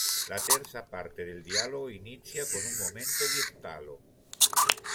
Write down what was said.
La terza parte del dialogo inizia con un momento di stallo.